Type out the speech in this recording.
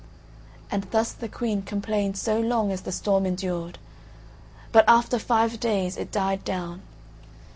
And thus the Queen complained so long as the storm endured; but after five days it died down.